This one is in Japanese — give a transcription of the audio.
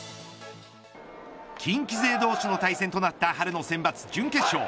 近畿勢同士の対戦となった春のセンバツ準決勝